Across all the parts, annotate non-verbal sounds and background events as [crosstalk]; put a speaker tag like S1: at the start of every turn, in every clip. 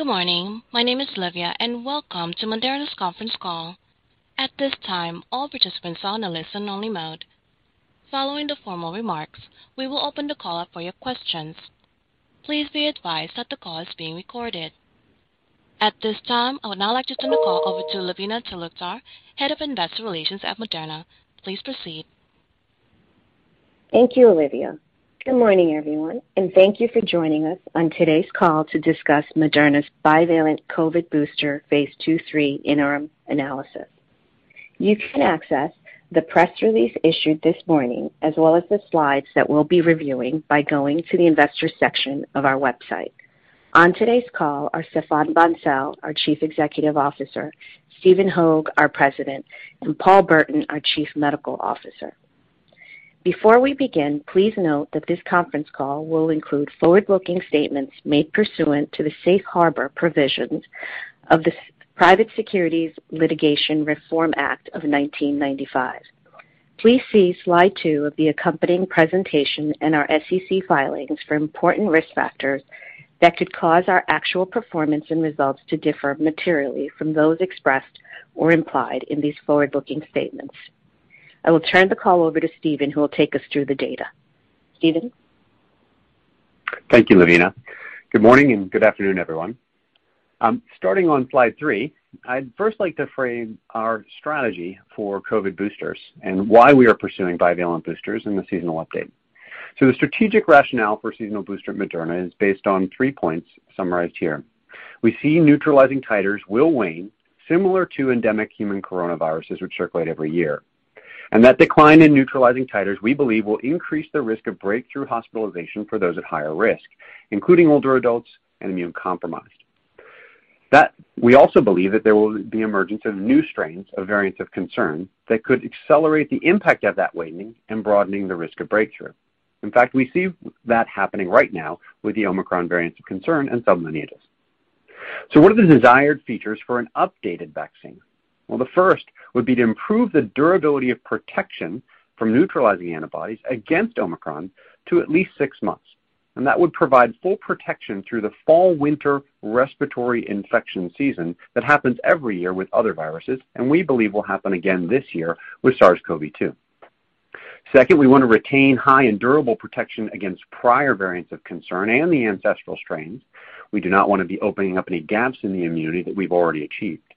S1: Good morning. My name is Livia, and welcome to Moderna's conference call. At this time, all participants are on a listen only mode. Following the formal remarks, we will open the call up for your questions. Please be advised that the call is being recorded. At this time, I would now like to turn the call over to Lavina Talukdar, Head of Investor Relations at Moderna. Please proceed.
S2: Thank you, Olivia. Good morning, everyone, and thank you for joining us on today's call to discuss Moderna's bivalent COVID booster phase II/III interim analysis. You can access the press release issued this morning as well as the slides that we'll be reviewing by going to the investor section of our website. On today's call are Stéphane Bancel, our Chief Executive Officer, Stephen Hoge, our President, and Paul Burton, our Chief Medical Officer. Before we begin, please note that this conference call will include forward-looking statements made pursuant to the safe harbor provisions of the Private Securities Litigation Reform Act of 1995. Please see slide two of the accompanying presentation in our SEC filings for important risk factors that could cause our actual performance and results to differ materially from those expressed or implied in these forward-looking statements. I will turn the call over to Stephen, who will take us through the data. Stephen?
S3: Thank you, Lavina. Good morning and good afternoon, everyone. Starting on slide three, I'd first like to frame our strategy for COVID boosters and why we are pursuing bivalent boosters in the seasonal update. The strategic rationale for seasonal booster at Moderna is based on three points summarized here. We see neutralizing titers will wane similar to endemic human coronaviruses which circulate every year, and that decline in neutralizing titers, we believe, will increase the risk of breakthrough hospitalization for those at higher risk, including older adults and immunocompromised. We also believe that there will be emergence of new strains of variants of concern that could accelerate the impact of that waning and broadening the risk of breakthrough. In fact, we see that happening right now with the Omicron variants of concern and sublineages. What are the desired features for an updated vaccine? Well, the first would be to improve the durability of protection from neutralizing antibodies against Omicron to at least six months, and that would provide full protection through the fall-winter respiratory infection season that happens every year with other viruses, and we believe will happen again this year with SARS-CoV-2. Second, we wanna retain high-end durable protection against prior variants of concern and the ancestral strains. We do not wanna be opening up any gaps in the immunity that we've already achieved.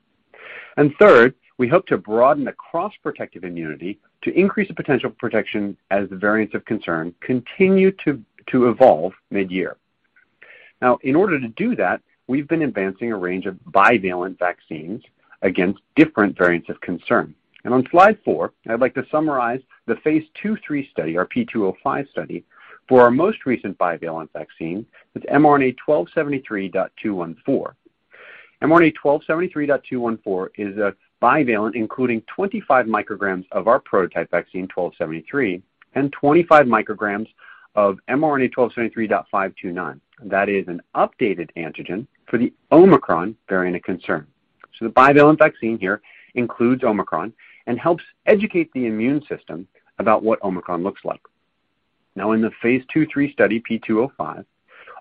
S3: Third, we hope to broaden the cross-protective immunity to increase the potential protection as the variants of concern continue to evolve mid-year. Now, in order to do that, we've been advancing a range of bivalent vaccines against different variants of concern. On slide four, I'd like to summarize the phase II/III study, our mRNA-1273-P205 study, for our most recent bivalent vaccine with mRNA-1273.214. mRNA-1273.214 is a bivalent, including 25 mcg of our prototype vaccine, 1273, and 25 mcg of mRNA-1273.529. That is an updated antigen for the Omicron variant of concern. The bivalent vaccine here includes Omicron and helps educate the immune system about what Omicron looks like. Now in the phase II/III study, mRNA-1273-P205,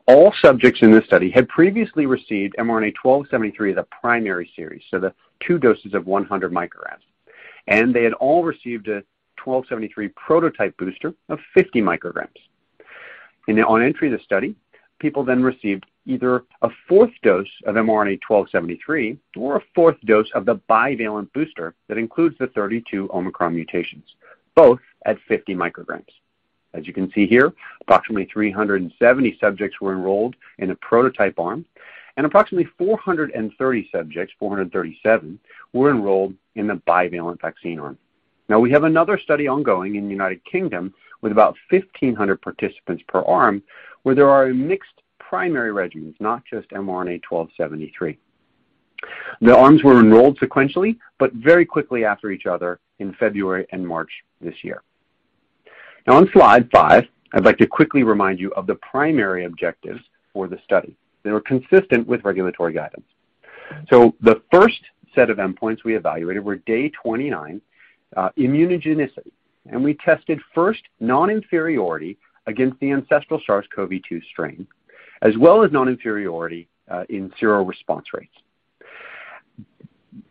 S3: all subjects in this study had previously received mRNA-1273 as a primary series, so the two doses of 100 mcg. They had all received a 1273 prototype booster of 50 mcg. On entry to the study, people then received either a fourth dose of mRNA-1273 or a fourth dose of the bivalent booster. That includes the 32 Omicron mutations, both at 50 mcg. As you can see here, approximately 370 subjects were enrolled in a prototype arm, and approximately 430 subjects, 437, were enrolled in the bivalent vaccine arm. Now we have another study ongoing in the United Kingdom with about 1,500 participants per arm, where there are mixed primary regimens, not just mRNA-1273. The arms were enrolled sequentially, but very quickly after each other in February and March this year. Now on slide five, I'd like to quickly remind you of the primary objectives for the study. They were consistent with regulatory guidance. The first set of endpoints we evaluated were day 29 immunogenicity, and we tested first non-inferiority against the ancestral SARS-CoV-2 strain, as well as non-inferiority in seroresponse rates.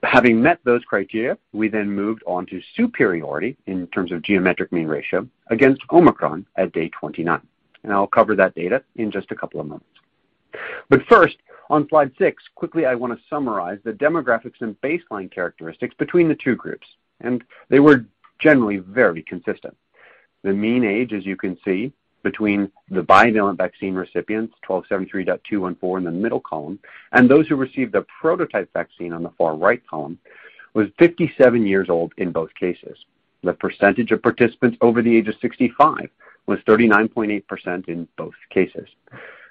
S3: Having met those criteria, we then moved on to superiority in terms of geometric mean ratio against Omicron at day 29. I'll cover that data in just a couple of moments. First, on slide six, quickly I wanna summarize the demographics and baseline characteristics between the two groups, and they were generally very consistent. The mean age, as you can see, between the bivalent vaccine recipients, 1273.214 in the middle column, and those who received the prototype vaccine on the far right column, was 57 years old in both cases. The percentage of participants over the age of 65 was 39.8% in both cases.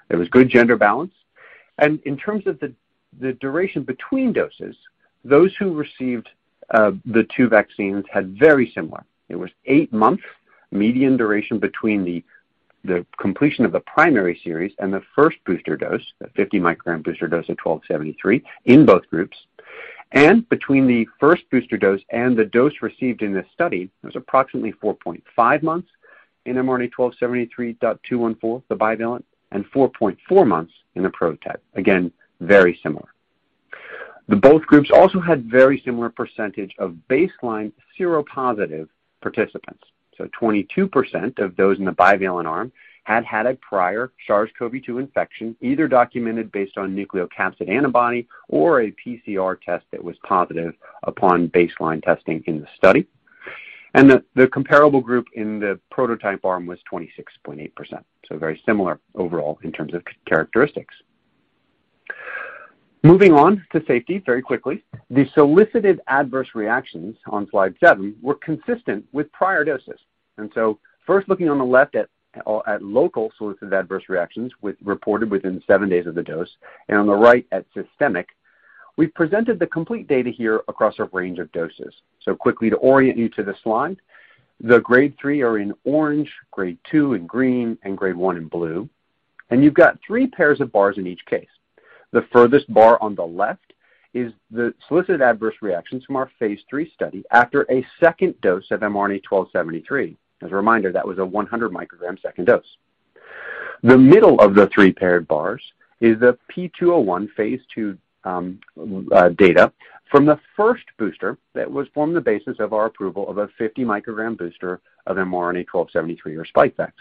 S3: There was good gender balance. In terms of the duration between doses, those who received the two vaccines had very similar. It was eight months median duration between the completion of the primary series and the first booster dose, the 50 mcg booster dose of 1273 in both groups. Between the first booster dose and the dose received in this study, it was approximately 4.5 months in mRNA-1273.214, the bivalent, and 4.4 months in the prototype. Again, very similar. Both groups also had very similar percentage of baseline seropositive participants. 22% of those in the bivalent arm had had a prior SARS-CoV-2 infection, either documented based on nucleocapsid antibody or a PCR test that was positive upon baseline testing in the study. The comparable group in the prototype arm was 26.8%. Very similar overall in terms of characteristics. Moving on to safety very quickly. The solicited adverse reactions on slide seven were consistent with prior doses. First looking on the left at local solicited adverse reactions reported within seven days of the dose, and on the right at systemic, we've presented the complete data here across our range of doses. Quickly to orient you to this slide, the grade three are in orange, grade two in green, and grade one in blue. You've got three pairs of bars in each case. The furthest bar on the left is the solicited adverse reactions from our phase III study after a second dose of mRNA-1273. As a reminder, that was a 100 mcg second dose. The middle of the three paired bars is the P201 phase II data from the first booster that was formed the basis of our approval of a 50 mcg booster of mRNA-1273 or Spikevax.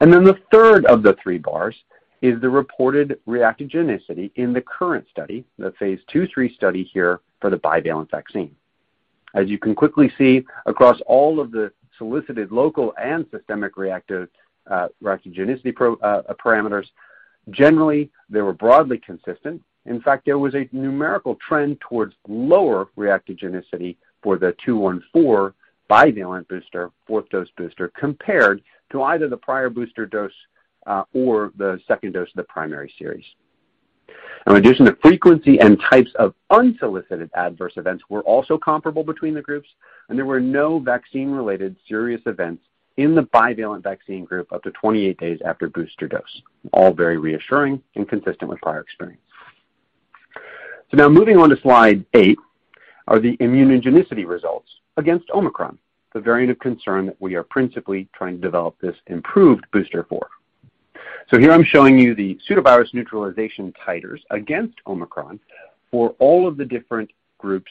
S3: The third of the three bars is the reported reactogenicity in the current study, the phase II/III study here for the bivalent vaccine. As you can quickly see across all of the solicited local and systemic reactogenicity parameters, generally they were broadly consistent. In fact, there was a numerical trend towards lower reactogenicity for the 214 bivalent booster, fourth dose booster, compared to either the prior booster dose or the second dose of the primary series. In addition, the frequency and types of unsolicited adverse events were also comparable between the groups, and there were no vaccine-related serious events in the bivalent vaccine group up to 28 days after booster dose. All very reassuring and consistent with prior experience. Now moving on to slide eight are the immunogenicity results against Omicron, the variant of concern that we are principally trying to develop this improved booster for. Here I'm showing you the pseudovirus neutralization titers against Omicron for all of the different groups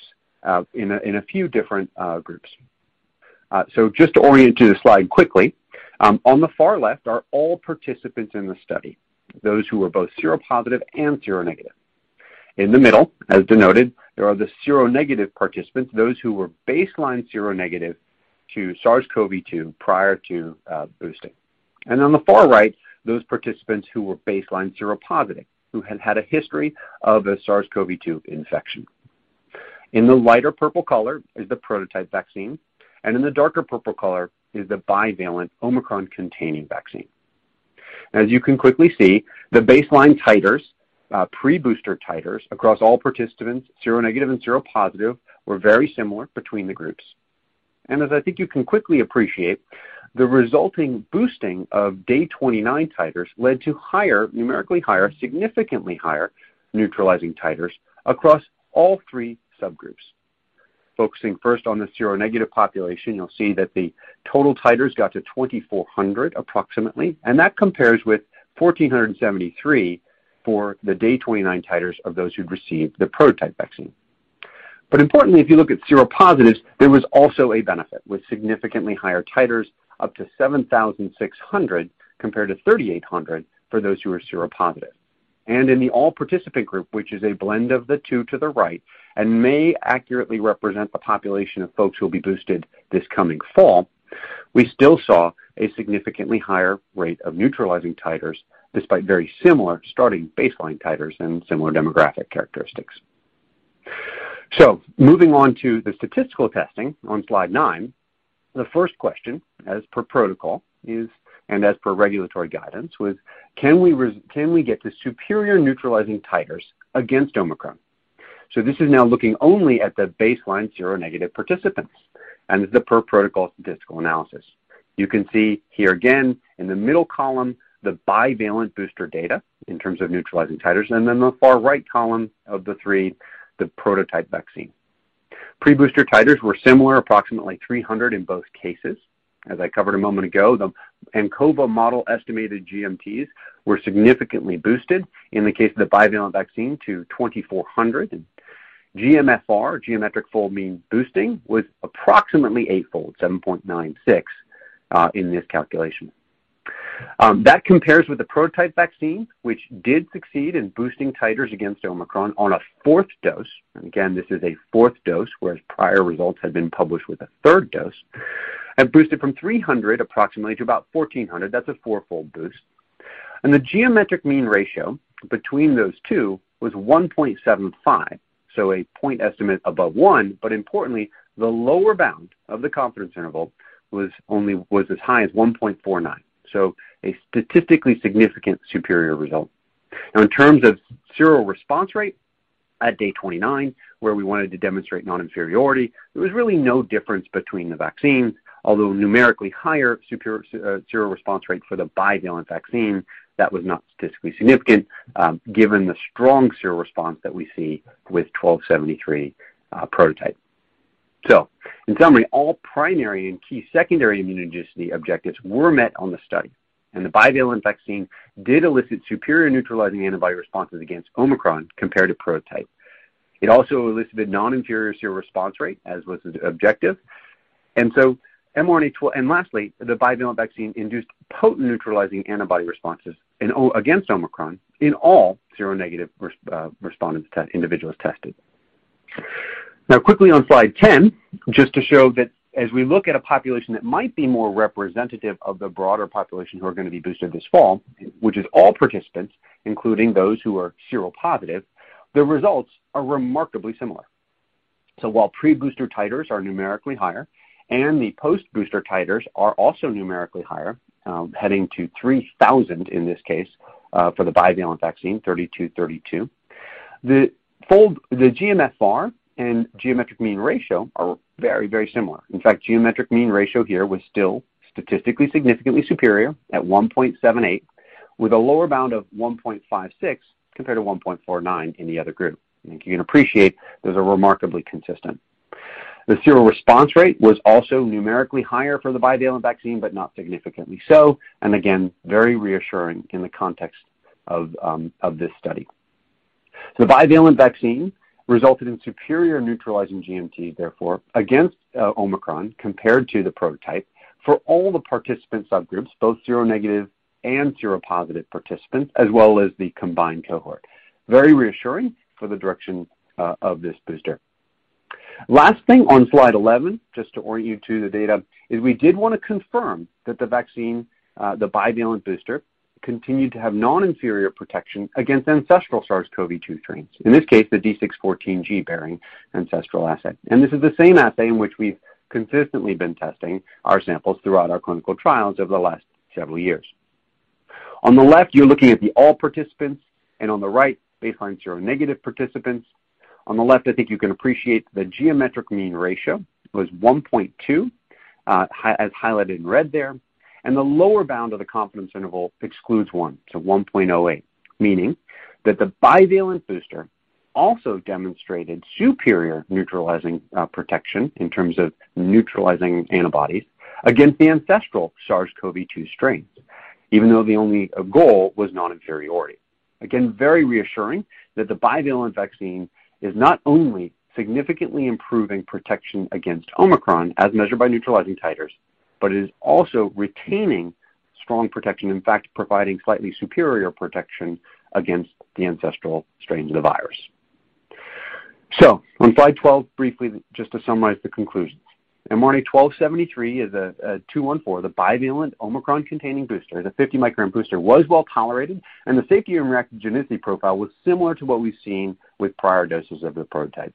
S3: in a few different groups. Just to orient you to the slide quickly, on the far left are all participants in the study, those who were both seropositive and seronegative. In the middle, as denoted, there are the seronegative participants, those who were baseline seronegative to SARS-CoV-2 prior to boosting. On the far right, those participants who were baseline seropositive, who had had a history of a SARS-CoV-2 infection. In the lighter purple color is the prototype vaccine, and in the darker purple color is the bivalent Omicron-containing vaccine. As you can quickly see, the baseline titers, pre-booster titers across all participants, seronegative and seropositive, were very similar between the groups. As I think you can quickly appreciate, the resulting boosting of day 29 titers led to higher, numerically higher, significantly higher neutralizing titers across all three subgroups. Focusing first on the seronegative population, you'll see that the total titers got to 2,400 approximately, and that compares with 1,473 for the day 29 titers of those who'd received the prototype vaccine. Importantly, if you look at seropositives, there was also a benefit with significantly higher titers, up to 7,600 compared to 3,800 for those who are seropositive. In the all participant group, which is a blend of the two to the right and may accurately represent the population of folks who will be boosted this coming fall, we still saw a significantly higher rate of neutralizing titers despite very similar starting baseline titers and similar demographic characteristics. Moving on to the statistical testing on slide nine, the first question, as per protocol, is and as per regulatory guidance, was can we get the superior neutralizing titers against Omicron. This is now looking only at the baseline seronegative participants and the per protocol statistical analysis. You can see here again in the middle column the bivalent booster data in terms of neutralizing titers, and then the far right column of the three, the prototype vaccine. Pre-booster titers were similar, approximately 300 in both cases. As I covered a moment ago, the ANCOVA model estimated GMTs were significantly boosted in the case of the bivalent vaccine to 2,400, and GMFR, geometric fold mean boosting, was approximately eight-fold, 7.96 in this calculation. That compares with the prototype vaccine, which did succeed in boosting titers against Omicron on a fourth dose. Again, this is a fourth dose, whereas prior results had been published with a third dose, and boosted from 300 approximately to about 1,400. That's a four-fold boost. The geometric mean ratio between those two was 1.75, so a point estimate above one. Importantly, the lower bound of the confidence interval was as high as 1.49, so a statistically significant superior result. In terms of seroresponse rate at day 29, where we wanted to demonstrate non-inferiority, there was really no difference between the vaccines. Although numerically higher superior seroresponse rate for the bivalent vaccine, that was not statistically significant, given the strong seroresponse that we see with mRNA-1273 prototype. In summary, all primary and key secondary immunogenicity objectives were met on the study, and the bivalent vaccine did elicit superior neutralizing antibody responses against Omicron compared to prototype. It also elicited non-inferior seroresponse rate, as was the objective. mRNA- and lastly, the bivalent vaccine induced potent neutralizing antibody responses against Omicron in all seronegative respondents tested individuals. Now quickly on slide 10, just to show that as we look at a population that might be more representative of the broader population who are gonna be boosted this fall, which is all participants, including those who are seropositive, the results are remarkably similar. While pre-booster titers are numerically higher and the post-booster titers are also numerically higher, heading to 3,000 in this case, for the bivalent vaccine, 3,232, the fold, the GMFR and geometric mean ratio are very, very similar. In fact, geometric mean ratio here was still statistically significantly superior at 1.78, with a lower bound of 1.56 compared to 1.49 in the other group. You can appreciate those are remarkably consistent. The seroresponse rate was also numerically higher for the bivalent vaccine but not significantly so, and again, very reassuring in the context of this study. The bivalent vaccine resulted in superior neutralizing GMT, therefore, against Omicron compared to the prototype for all the participant subgroups, both seronegative and seropositive participants, as well as the combined cohort. Very reassuring for the direction of this booster. Last thing on slide 11, just to orient you to the data, is we did wanna confirm that the vaccine, the bivalent booster continued to have non-inferior protection against ancestral SARS-CoV-2 strains, in this case, the D614G bearing ancestral assay. This is the same assay in which we've consistently been testing our samples throughout our clinical trials over the last several years. On the left, you're looking at the all participants, and on the right baseline seronegative participants. On the left, I think you can appreciate the geometric mean ratio was 1.2, highlighted in red there. The lower bound of the confidence interval excludes one, so 1.08, meaning that the bivalent booster also demonstrated superior neutralizing protection in terms of neutralizing antibodies against the ancestral SARS-CoV-2 strains, even though the only goal was non-inferiority. Again, very reassuring that the bivalent vaccine is not only significantly improving protection against Omicron as measured by neutralizing titers, but it is also retaining strong protection, in fact, providing slightly superior protection against the ancestral strains of the virus. On slide 12, briefly, just to summarize the conclusions. mRNA-1273.214. The bivalent Omicron-containing booster, the 50 mcg booster, was well-tolerated, and the safety and reactogenicity profile was similar to what we've seen with prior doses of the prototype.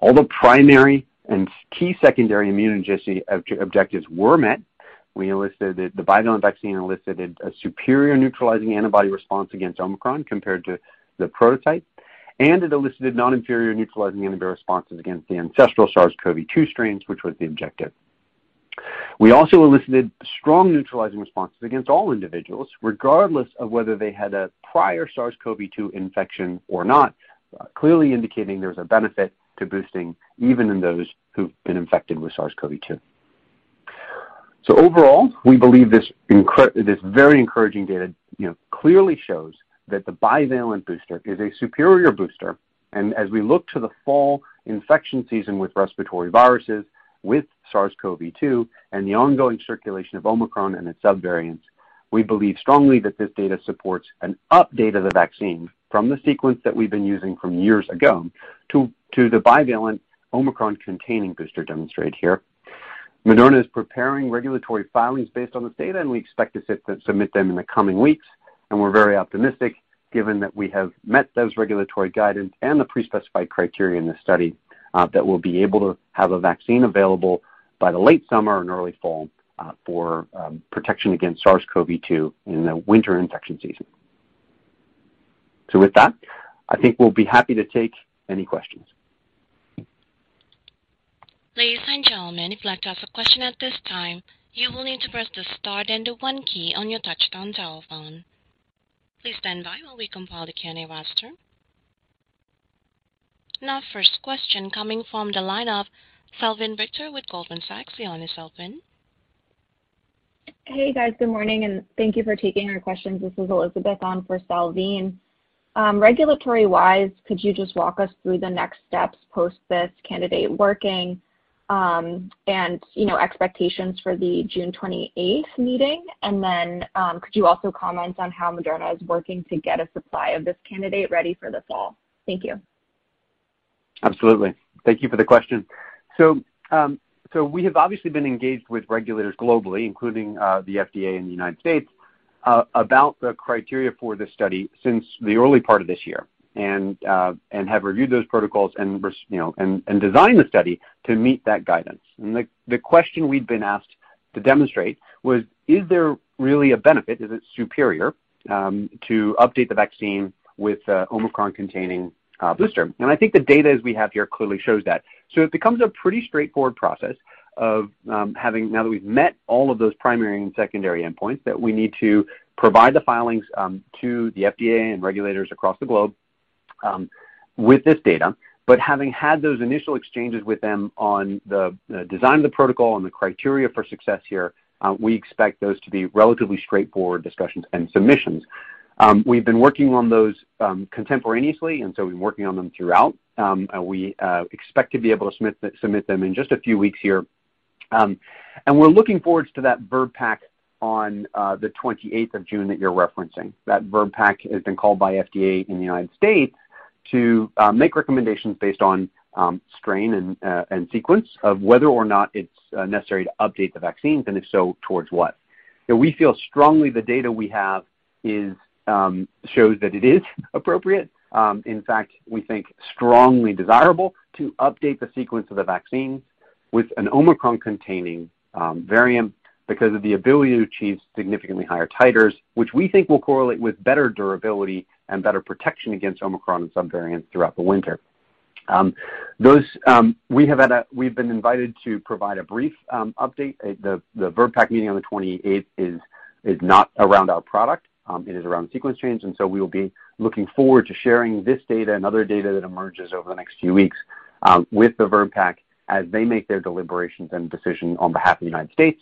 S3: All the primary and key secondary immunogenicity objectives were met. The bivalent vaccine elicited a superior neutralizing antibody response against Omicron compared to the prototype, and it elicited non-inferior neutralizing antibody responses against the ancestral SARS-CoV-2 strains, which was the objective. We also elicited strong neutralizing responses against all individuals, regardless of whether they had a prior SARS-CoV-2 infection or not, clearly indicating there was a benefit to boosting even in those who've been infected with SARS-CoV-2. Overall, we believe this very encouraging data, you know, clearly shows that the bivalent booster is a superior booster. As we look to the fall infection season with respiratory viruses, with SARS-CoV-2 and the ongoing circulation of Omicron and its subvariants, we believe strongly that this data supports an update of the vaccine from the sequence that we've been using from years ago to the bivalent Omicron-containing booster demonstrated here. Moderna is preparing regulatory filings based on this data, and we expect to submit them in the coming weeks. We're very optimistic, given that we have met those regulatory guidance and the pre-specified criteria in this study, that we'll be able to have a vaccine available by the late summer and early fall, for protection against SARS-CoV-2 in the winter infection season. With that, I think we'll be happy to take any questions.
S1: Ladies and gentlemen, if you'd like to ask a question at this time, you will need to press the star then the one key on your touchtone telephone. Please stand by while we compile the Q&A roster. Now first question coming from the line of Salveen Richter with Goldman Sachs. Your line is open.
S4: Hey, guys. Good morning, and thank you for taking our questions. This is Elizabeth on for Salveen. Regulatory-wise, could you just walk us through the next steps post this candidate working, and, you know, expectations for the June 28th meeting? Then, could you also comment on how Moderna is working to get a supply of this candidate ready for the fall? Thank you.
S3: Absolutely. Thank you for the question. We have obviously been engaged with regulators globally, including the FDA in the United States, about the criteria for this study since the early part of this year and have reviewed those protocols, you know, and designed the study to meet that guidance. The question we'd been asked to demonstrate was, is there really a benefit, is it superior, to update the vaccine with the Omicron-containing booster? I think the data as we have here clearly shows that. It becomes a pretty straightforward process of, having now that we've met all of those primary and secondary endpoints, that we need to provide the filings, to the FDA and regulators across the globe. With this data, but having had those initial exchanges with them on the design of the protocol and the criteria for success here, we expect those to be relatively straightforward discussions and submissions. We've been working on those, contemporaneously, and so we've been working on them throughout. We expect to be able to submit them in just a few weeks here. We're looking forward to that VRBPAC on the June 28th that you're referencing. That VRBPAC has been called by FDA in the United States to make recommendations based on strain and sequence of whether or not it's necessary to update the vaccines, and if so, towards what. You know, we feel strongly the data we have shows that it is appropriate. In fact, we think strongly desirable to update the sequence of the vaccine with an Omicron-containing variant because of the ability to achieve significantly higher titers, which we think will correlate with better durability and better protection against Omicron and subvariants throughout the winter. Those, we've been invited to provide a brief update. The VRBPAC meeting on the twenty-eighth is not around our product. It is around sequence change, and so we'll be looking forward to sharing this data and other data that emerges over the next few weeks, with the VRBPAC as they make their deliberations and decision on behalf of the United States.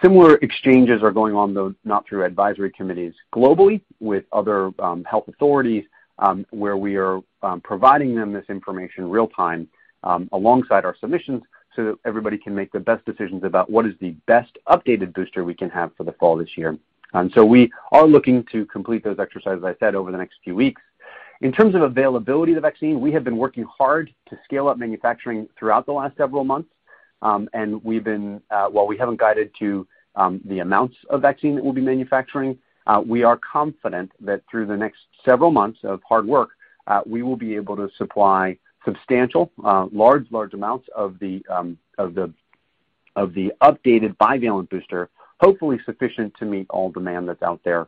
S3: Similar exchanges are going on, though not through advisory committees globally with other health authorities, where we are providing them this information real time, alongside our submissions, so that everybody can make the best decisions about what is the best updated booster we can have for the fall this year. We are looking to complete those exercises, as I said, over the next few weeks. In terms of availability of the vaccine, we have been working hard to scale up manufacturing throughout the last several months. We've been, while we haven't guided to the amounts of vaccine that we'll be manufacturing, we are confident that through the next several months of hard work, we will be able to supply substantial large amounts of the updated bivalent booster, hopefully sufficient to meet all demand that's out there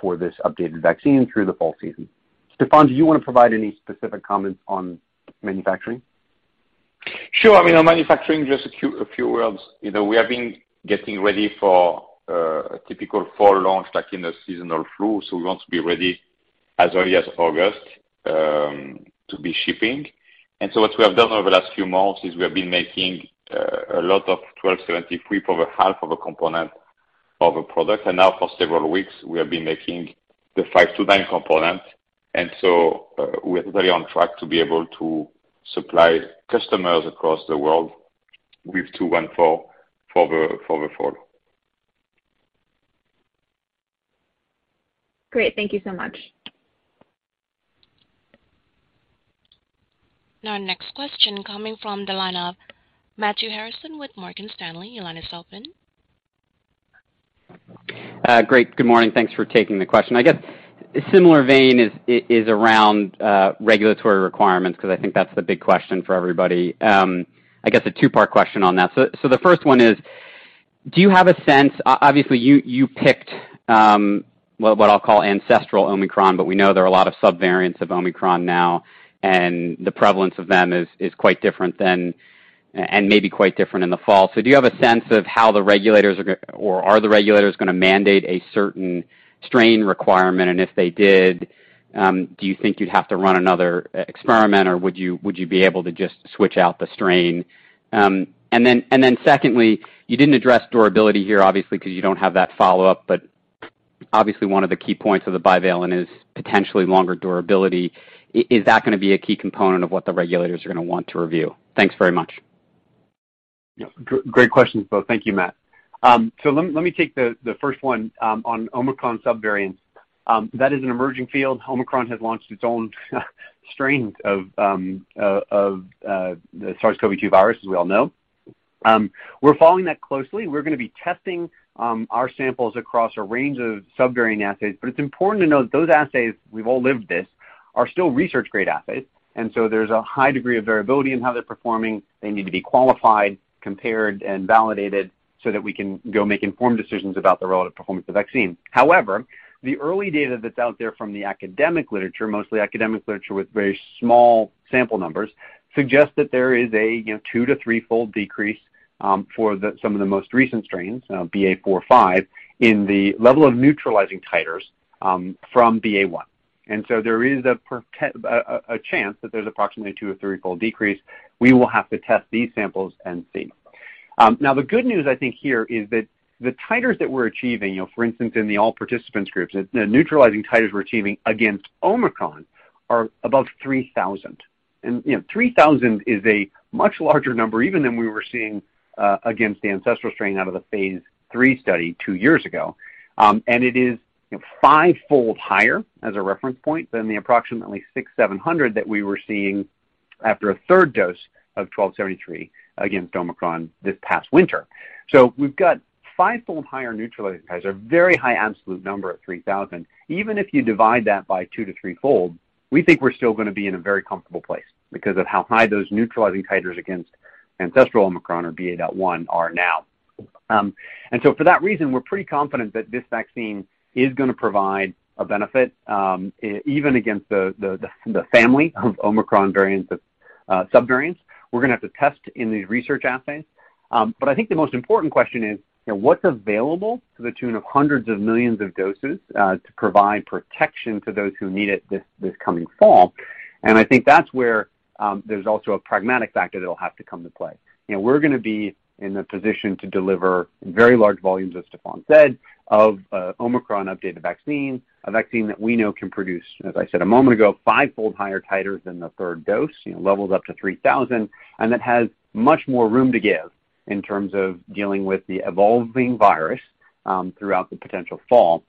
S3: for this updated vaccine through the fall season. Stéphane, do you wanna provide any specific comments on manufacturing?
S5: Sure. I mean, on manufacturing, just a few words. You know, we have been getting ready for a typical fall launch like in the seasonal flu, so we want to be ready as early as August to be shipping. What we have done over the last few months is we have been making a lot of mRNA-1273, over half of a component of a product. Now for several weeks we have been making the mRNA-1273.529 component. We're very on track to be able to supply customers across the world with mRNA-1273.214 for the fall.
S1: Great. Thank you so much. Now, next question coming from the line of Matthew Harrison with Morgan Stanley. Your line is open.
S6: Great. Good morning. Thanks for taking the question. I guess in a similar vein is around regulatory requirements because I think that's the big question for everybody. I guess a two-part question on that. The first one is, do you have a sense. Obviously, you picked what I'll call ancestral Omicron, but we know there are a lot of subvariants of Omicron now, and the prevalence of them is quite different than and maybe quite different in the fall. Do you have a sense of how the regulators are going, or are the regulators gonna mandate a certain strain requirement? And if they did, do you think you'd have to run another experiment, or would you be able to just switch out the strain? Secondly, you didn't address durability here obviously because you don't have that follow-up, but obviously one of the key points of the bivalent is potentially longer durability. Is that gonna be a key component of what the regulators are gonna want to review? Thanks very much.
S3: Yeah. Great questions both. Thank you, Matt. So let me take the first one on Omicron subvariants. That is an emerging field. Omicron has launched its own strains of the SARS-CoV-2 virus, as we all know. We're following that closely. We're gonna be testing our samples across a range of subvariant assays, but it's important to note those assays, we've all lived this, are still research-grade assays, and so there's a high degree of variability in how they're performing. They need to be qualified, compared, and validated so that we can go make informed decisions about the relative performance of the vaccine. However, the early data that's out there from the academic literature, mostly academic literature with very small sample numbers, suggest that there is a, you know, two to three-fold decrease for some of the most recent strains, BA.4/5, in the level of neutralizing titers from BA.1. There is a chance that there's approximately two or three-fold decrease. We will have to test these samples and see. Now the good news I think here is that the titers that we're achieving, you know, for instance in the all participants groups, the neutralizing titers we're achieving against Omicron are above 3,000. You know, 3,000 is a much larger number even than we were seeing against the ancestral strain out of the phase III study two years ago. It is, you know, five-fold higher as a reference point than the approximately 600-700 that we were seeing after a third dose of 1273 against Omicron this past winter. We've got five-fold higher neutralizing titers, a very high absolute number at 3,000. Even if you divide that by two to three-fold, we think we're still gonna be in a very comfortable place because of how high those neutralizing titers against ancestral Omicron or BA.1 are now. For that reason, we're pretty confident that this vaccine is gonna provide a benefit, even against the family of Omicron variants that subvariants we're gonna have to test in these research assays. I think the most important question is, you know, what's available to the tune of hundreds of millions of doses, to provide protection to those who need it this coming fall? I think that's where, there's also a pragmatic factor that'll have to come to play. You know, we're gonna be in a position to deliver very large volumes, as Stéphane said, of, Omicron-updated vaccine, a vaccine that we know can produce, as I said a moment ago, fivefold higher titers than the third dose, you know, levels up to 3,000, and that has much more room to give in terms of dealing with the evolving virus, throughout the potential fall.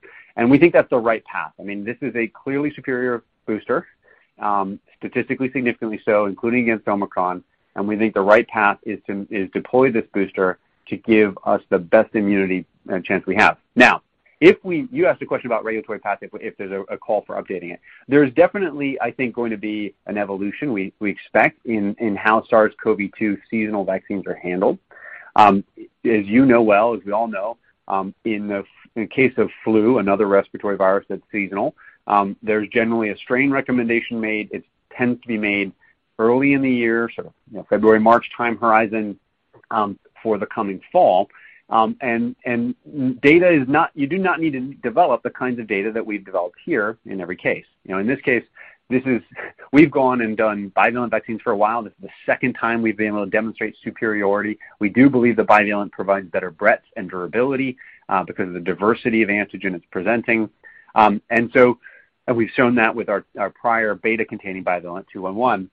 S3: We think that's the right path. I mean, this is a clearly superior booster, statistically significantly so, including against Omicron, and we think the right path is to deploy this booster to give us the best immunity and chance we have. Now, you asked a question about regulatory path if there's a call for updating it. There's definitely, I think, going to be an evolution we expect in how SARS-CoV-2 seasonal vaccines are handled. As you know well, as we all know, in case of flu, another respiratory virus that's seasonal, there's generally a strain recommendation made. It tends to be made early in the year, sort of, you know, February, March time horizon, for the coming fall. You do not need to develop the kinds of data that we've developed here in every case. You know, in this case, this is we've gone and done bivalent vaccines for a while. This is the second time we've been able to demonstrate superiority. We do believe the bivalent provides better breadth and durability, because of the diversity of antigen it's presenting. We've shown that with our prior beta-containing bivalent two one one.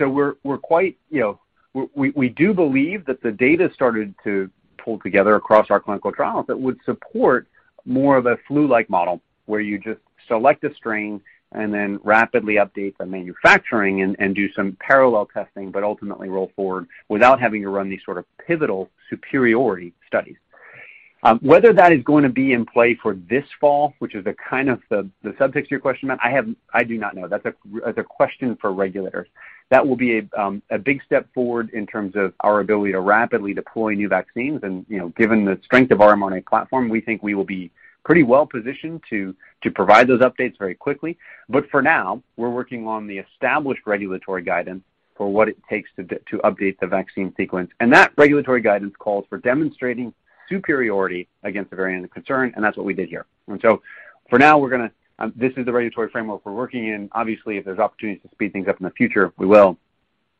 S3: We're quite, you know, we do believe that the data started to pull together across our clinical trials that would support more of a flu-like model, where you just select a strain and then rapidly update the manufacturing and do some parallel testing, but ultimately roll forward without having to run these sort of pivotal superiority studies. Whether that is going to be in play for this fall, which is kind of the subject of your question, I do not know. That's a question for regulators. That will be a big step forward in terms of our ability to rapidly deploy new vaccines and, you know, given the strength of our mRNA platform, we think we will be pretty well-positioned to provide those updates very quickly. But for now, we're working on the established regulatory guidance for what it takes to update the vaccine sequence. That regulatory guidance calls for demonstrating superiority against the variant of concern, and that's what we did here. For now we're gonna, this is the regulatory framework we're working in. Obviously, if there's opportunities to speed things up in the future, we will.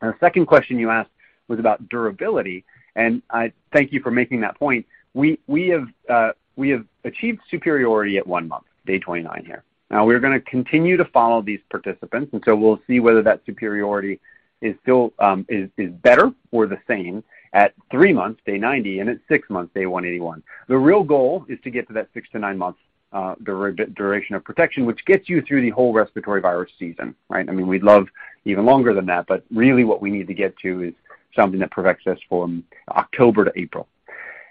S3: The second question you asked was about durability, and I thank you for making that point. We have achieved superiority at one month, day 29 here. Now we're gonna continue to follow these participants, and so we'll see whether that superiority is still better or the same at three months, day 90, and at six months, day 181. The real goal is to get to that six to nine months duration of protection, which gets you through the whole respiratory virus season, right? I mean, we'd love even longer than that, but really what we need to get to is something that protects us from October to April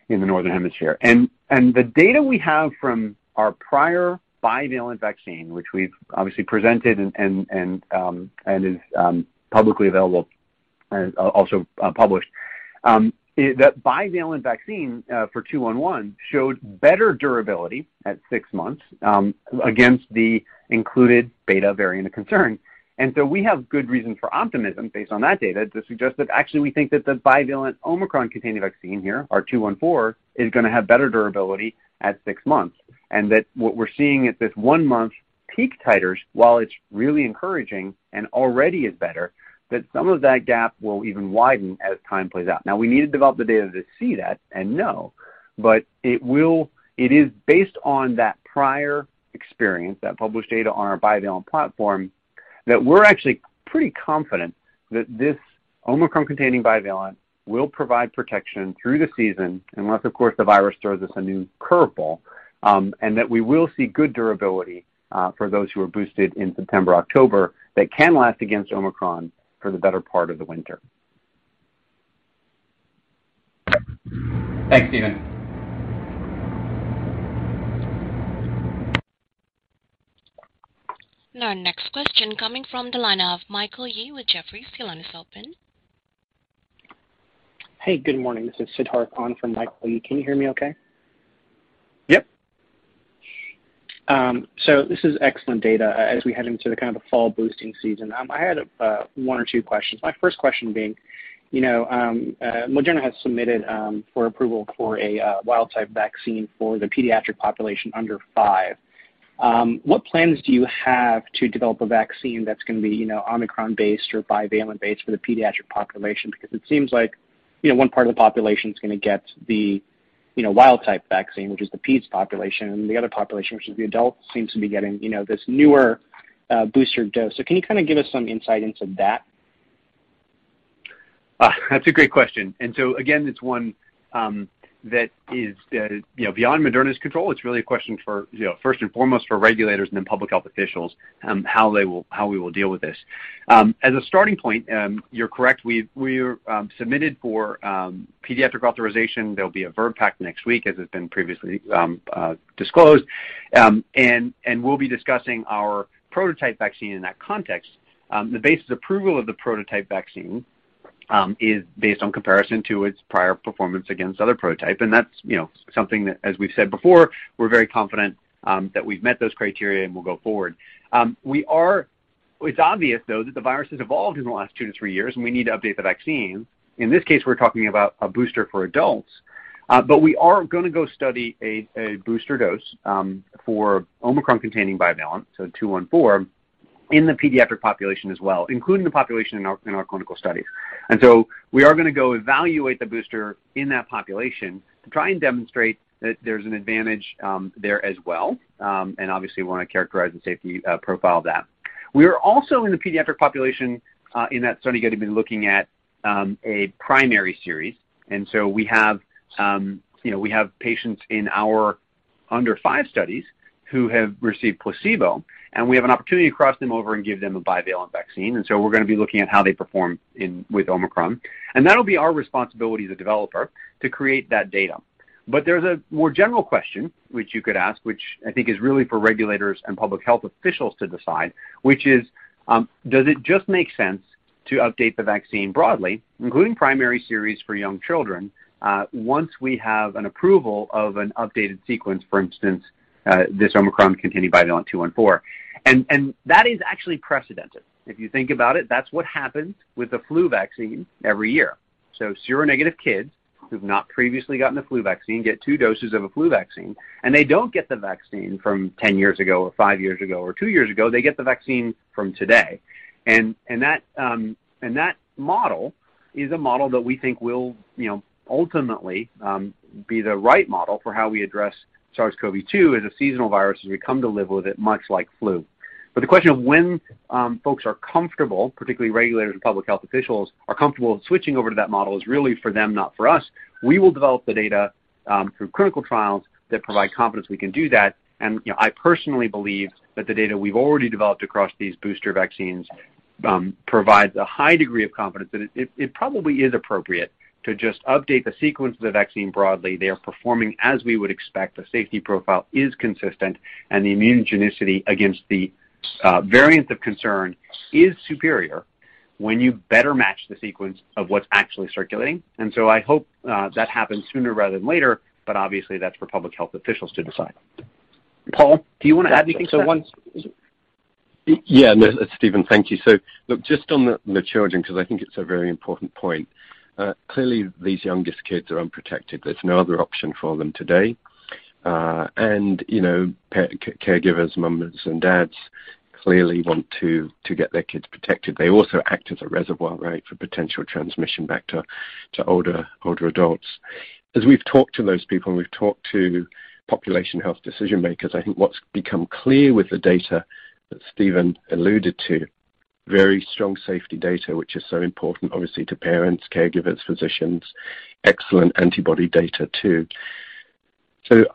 S3: in the Northern Hemisphere. The data we have from our prior bivalent vaccine, which we've obviously presented and is publicly available and also published, that bivalent vaccine for 211 showed better durability at six months against the included Beta variant of concern. We have good reason for optimism based on that data to suggest that actually we think that the bivalent Omicron-containing vaccine here, our 214, is gonna have better durability at six months. What we're seeing at this one-month peak titers, while it's really encouraging and already is better, some of that gap will even widen as time plays out. Now we need to develop the data to see that and know, but it is based on that prior experience, that published data on our bivalent platform, that we're actually pretty confident that this Omicron-containing bivalent will provide protection through the season, unless of course the virus throws us a new curveball, and that we will see good durability, for those who are boosted in September, October, that can last against Omicron for the better part of the winter.
S6: Thanks, Stephen.
S1: Now next question coming from the line of Michael Yee with Jefferies. Your line is open.
S7: Hey, good morning. This is Siddharth [inaudible] from Michael Yee. Can you hear me okay?
S3: Yep.
S7: This is excellent data as we head into the fall boosting season. I had one or two questions. My first question being, you know, Moderna has submitted for approval for a wild type vaccine for the pediatric population under five. What plans do you have to develop a vaccine that's gonna be, you know, Omicron-based or bivalent-based for the pediatric population? Because it seems like, you know, one part of the population's gonna get the, you know, wild type vaccine, which is the peds population, and the other population, which is the adults, seems to be getting, you know, this newer booster dose. Can you kinda give us some insight into that?
S3: That's a great question. Again, it's one that is, you know, beyond Moderna's control. It's really a question for, you know, first and foremost for regulators and then public health officials, how we will deal with this. As a starting point, you're correct. We've submitted for pediatric authorization. There'll be a VRBPAC next week, as has been previously disclosed. We'll be discussing our prototype vaccine in that context. The basis of approval of the prototype vaccine is based on comparison to its prior performance against other prototype. That's, you know, something that, as we've said before, we're very confident that we've met those criteria and we'll go forward. It's obvious, though, that the virus has evolved in the last two to three years, and we need to update the vaccine. In this case, we're talking about a booster for adults. We are gonna go study a booster dose for Omicron-containing bivalent, so two-on-four, in the pediatric population as well, including the population in our clinical studies. We are gonna go evaluate the booster in that population to try and demonstrate that there's an advantage there as well. Obviously we wanna characterize the safety profile of that. We are also in the pediatric population in that study gonna be looking at a primary series. We have, you know, we have patients in our under five studies who have received placebo, and we have an opportunity to cross them over and give them a bivalent vaccine. We're gonna be looking at how they perform with Omicron. That'll be our responsibility as a developer to create that data. There's a more general question which you could ask, which I think is really for regulators and public health officials to decide, which is, does it just make sense to update the vaccine broadly, including primary series for young children, once we have an approval of an updated sequence, for instance, this Omicron-containing bivalent two-on-four. And that is actually precedented. If you think about it, that's what happens with the flu vaccine every year. Seronegative kids who've not previously gotten the flu vaccine get two doses of a flu vaccine, and they don't get the vaccine from 10 years ago or five years ago or two years ago. They get the vaccine from today. That model is a model that we think will, you know, ultimately, be the right model for how we address SARS-CoV-2 as a seasonal virus as we come to live with it, much like flu. The question of when folks are comfortable, particularly regulators and public health officials are comfortable with switching over to that model is really for them, not for us. We will develop the data through clinical trials that provide confidence we can do that. You know, I personally believe that the data we've already developed across these booster vaccines provides a high degree of confidence that it probably is appropriate to just update the sequence of the vaccine broadly. They are performing as we would expect. The safety profile is consistent, and the immunogenicity against the variant of concern is superior when you better match the sequence of what's actually circulating. I hope that happens sooner rather than later, but obviously that's for public health officials to decide. Paul, do you wanna add anything to that?
S8: Yeah, no, Stephen, thank you. Look, just on the children, 'cause I think it's a very important point. Clearly these youngest kids are unprotected. There's no other option for them today. And you know, caregivers, moms and dads clearly want to get their kids protected. They also act as a reservoir, right, for potential transmission back to older adults. As we've talked to those people and we've talked to population health decision makers, I think what's become clear with the data that Stephen alluded to, very strong safety data, which is so important obviously to parents, caregivers, physicians, excellent antibody data too.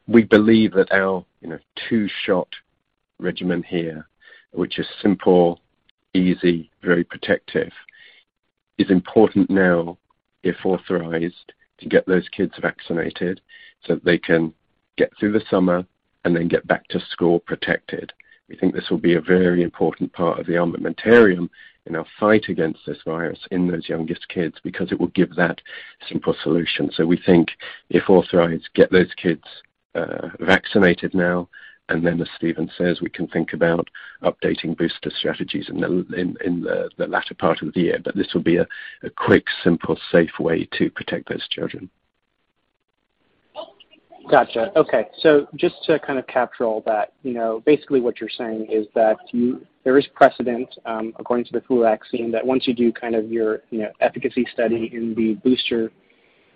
S8: We believe that our, you know, two-shot regimen here, which is simple, easy, very protective, is important now if authorized to get those kids vaccinated so that they can get through the summer and then get back to school protected. We think this will be a very important part of the armamentarium in our fight against this virus in those youngest kids because it will give that simple solution. We think if authorized, get those kids vaccinated now, and then as Stephen says, we can think about updating booster strategies in the latter part of the year. This will be a quick, simple, safe way to protect those children.
S7: Gotcha. Okay. Just to kind of capture all that, you know, basically what you're saying is that there is precedent, according to the flu vaccine, that once you do kind of your, you know, efficacy study in the booster,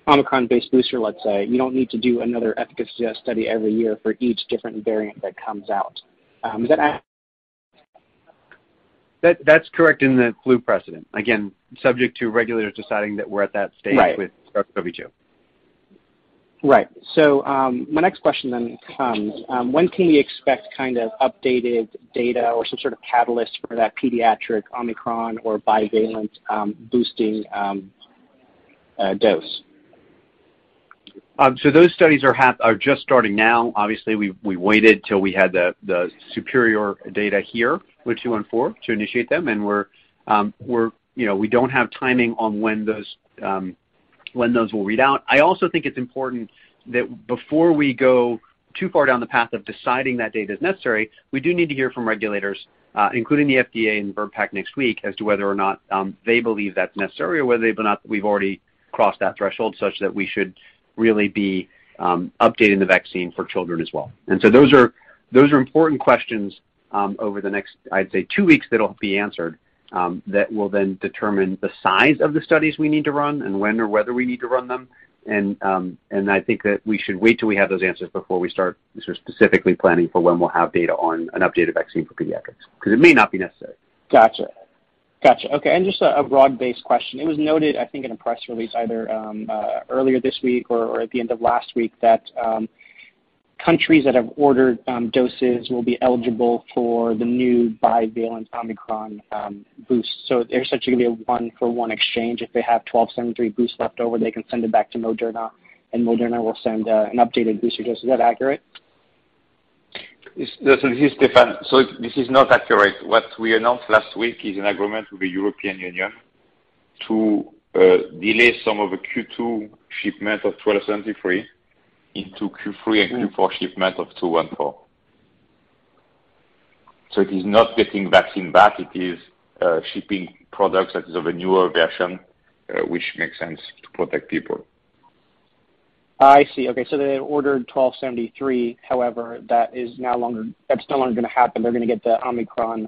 S7: Omicron-based booster let's say, you don't need to do another efficacy study every year for each different variant that comes out. Is that accurate?
S3: That's correct in the flu precedent. Again, subject to regulators deciding that we're at that stage.
S7: Right.
S3: with SARS-CoV-2.
S7: Right. My next question then comes, when can we expect kind of updated data or some sort of catalyst for that pediatric Omicron or bivalent boosting dose?
S3: Those studies are just starting now. Obviously, we waited till we had the superior data here with two-on-four to initiate them, and we're, you know, we don't have timing on when those will read out. I also think it's important that before we go too far down the path of deciding that data is necessary, we do need to hear from regulators, including the FDA and VRBPAC next week as to whether or not they believe that's necessary or whether they believe or not we've already crossed that threshold such that we should really be updating the vaccine for children as well. Those are important questions over the next, I'd say two weeks, that'll be answered, that will then determine the size of the studies we need to run and when or whether we need to run them. I think that we should wait till we have those answers before we start sort of specifically planning for when we'll have data on an updated vaccine for pediatrics 'cause it may not be necessary.
S7: Gotcha. Okay. Just a broad-based question. It was noted, I think, in a press release either earlier this week or at the end of last week that countries that have ordered doses will be eligible for the new bivalent Omicron boost. There's said to be a one-for-one exchange. If they have mRNA-1273 boosts left over, they can send it back to Moderna, and Moderna will send an updated booster dose. Is that accurate?
S5: This is Stéphane. This is not accurate. What we announced last week is an agreement with the European Union to delay some of the Q2 shipment of 1273 into Q3 and Q4 shipment of 214. It is not getting vaccine back. It is shipping products that is of a newer version, which makes sense to protect people.
S7: I see. Okay. They ordered mRNA-1273, however, that's no longer gonna happen. They're gonna get the Omicron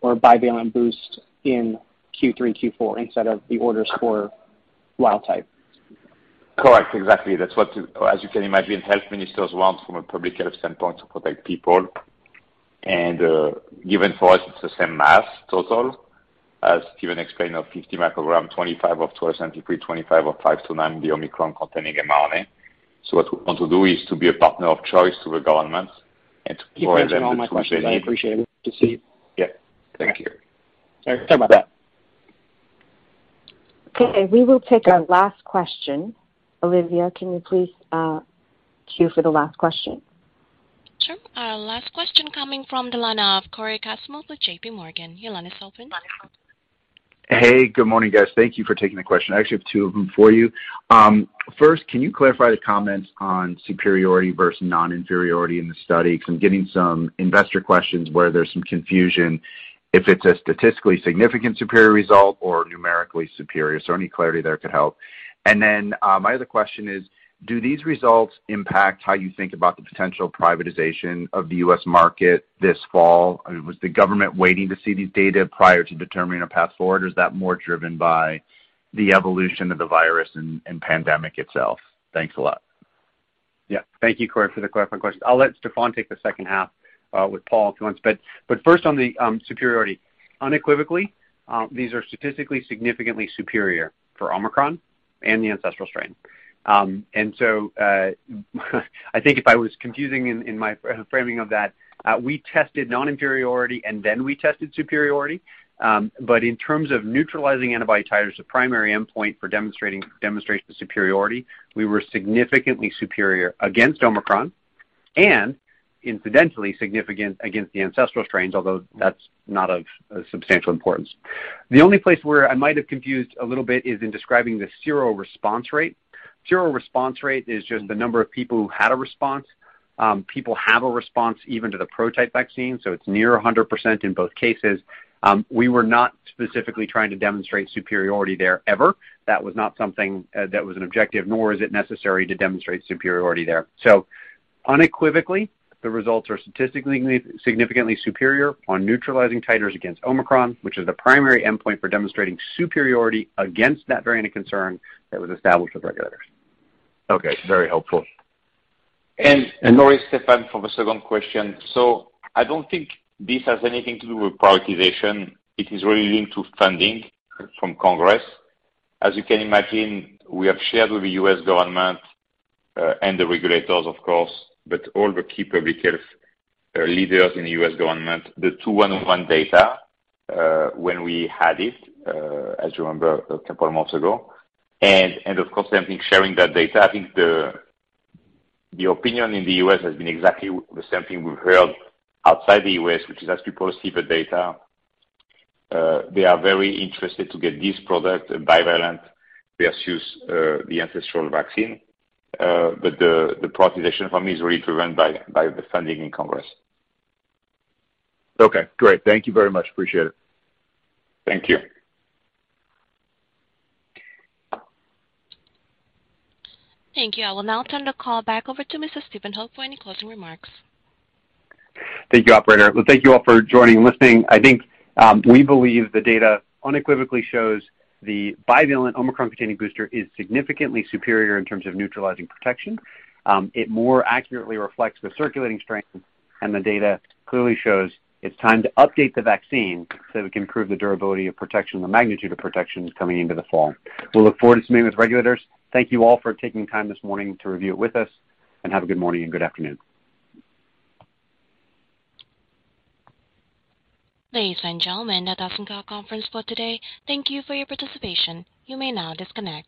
S7: or bivalent boost in Q3, Q4 instead of the orders for wild type.
S8: Correct. Exactly. That's what, as you can imagine, health ministers want from a public health standpoint to protect people. Given for us, it's the same mass total. As Stephen explained, of 50 mcg, 25 of mRNA-1273, 25 of mRNA-1273.529, the Omicron-containing mRNA. What we want to do is to be a partner of choice to the government and to provide them the tool they need.
S7: Thanks for all my questions. I appreciate it. Good to see you.
S5: Yeah. Thank you.
S7: All right. Bye-bye.
S2: Okay, we will take our last question. Olivia, can you please queue for the last question?
S1: Sure. Our last question coming from the line of Cory Kasimov with J.P. Morgan. Your line is open.
S9: Hey, good morning, guys. Thank you for taking the question. I actually have two of them for you. First, can you clarify the comments on superiority versus non-inferiority in the study? Because I'm getting some investor questions where there's some confusion if it's a statistically significant superior result or numerically superior. Any clarity there could help. My other question is, do these results impact how you think about the potential privatization of the U.S. market this fall? I mean, was the government waiting to see these data prior to determining a path forward, or is that more driven by the evolution of the virus and pandemic itself? Thanks a lot.
S3: Thank you, Cory, for the clarifying questions. I'll let Stéphane take the second half with Paul if he wants. First on the superiority. Unequivocally, these are statistically significantly superior for Omicron and the ancestral strain. I think if I was confusing in my framing of that, we tested non-inferiority, and then we tested superiority. In terms of neutralizing antibody titers, the primary endpoint for demonstrating superiority, we were significantly superior against Omicron and incidentally significant against the ancestral strains, although that's not of substantial importance. The only place where I might have confused a little bit is in describing the seroresponse rate. Seroresponse rate is just the number of people who had a response. People have a response even to the prototype vaccine, so it's near 100% in both cases. We were not specifically trying to demonstrate superiority there ever. That was not an objective, nor is it necessary to demonstrate superiority there. Unequivocally, the results are statistically significantly superior on neutralizing titers against Omicron, which is the primary endpoint for demonstrating superiority against that variant of concern that was established with regulators.
S9: Okay. Very helpful.
S5: Cory, Stéphane for the second question. I don't think this has anything to do with authorization. It is really linked to funding from Congress. As you can imagine, we have shared with the U.S. government and the regulators of course, but all the key public health leaders in the U.S. government, the 211 data, when we had it, as you remember a couple months ago. Of course, I think sharing that data, I think the opinion in the U.S. has been exactly the same thing we've heard outside the U.S., which is as people see the data, they are very interested to get this product bivalent versus the ancestral vaccine. The authorization for me is really driven by the funding in Congress.
S9: Okay, great. Thank you very much. Appreciate it.
S5: Thank you.
S1: Thank you. I will now turn the call back over to Mr. Stephen Hoge for any closing remarks.
S3: Thank you, operator. Well, thank you all for joining and listening. I think, we believe the data unequivocally shows the bivalent Omicron containing booster is significantly superior in terms of neutralizing protection. It more accurately reflects the circulating strain, and the data clearly shows it's time to update the vaccine so we can improve the durability of protection, the magnitude of protections coming into the fall. We'll look forward to meeting with regulators. Thank you all for taking time this morning to review it with us, and have a good morning and good afternoon.
S1: Ladies and gentlemen, that does end our conference call today. Thank you for your participation. You may now disconnect.